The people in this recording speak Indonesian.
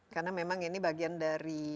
karena memang ini bagian dari